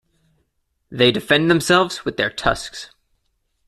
They defend themselves with their tusks.